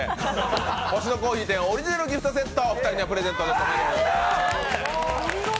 星乃珈琲店オリジナルギフトセットを２人はプレゼントです。